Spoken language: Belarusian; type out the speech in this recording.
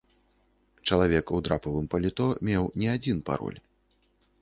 Чалавек у драпавым паліто меў не адзін пароль.